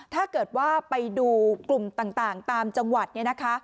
ถ้าเกิดว่าไปดูกลุ่มต่างตามจังหวัดเนี่ยนะคะ